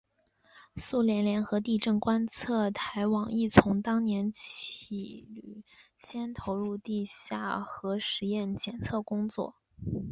苏联联合地震观测台网亦从当年起率先投入地下核试验监测工作。